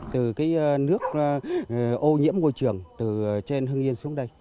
từ nước ô nhiễm ngôi trường từ trên hưng yên xuống đây